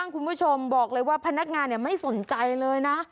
คุณผู้ชมบอกเลยว่าพนักงานไม่สนใจเลยนะ